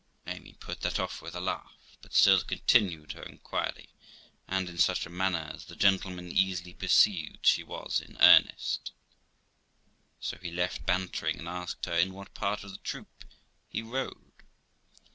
Amy put that off with a laugh, but still continued her inquiry, and in such a manner as the gentleman easily perceived she was in earnest; so he left bantering, and asked her in what part of the troop he rode.